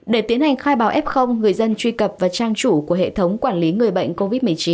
để tiến hành khai báo f người dân truy cập vào trang chủ của hệ thống quản lý người bệnh covid một mươi chín